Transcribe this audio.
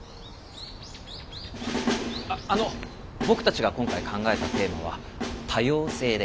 あの僕たちが今回考えたテーマは「多様性」で。